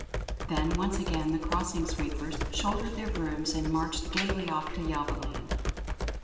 Then once again the Crossing Sweepers shouldered their brooms and marched gayly off to Yelvaland.